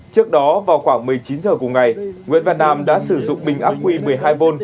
trước đó vào khoảng một mươi chín h cùng ngày nguyễn văn nam đã sử dụng bình ác quy một mươi hai v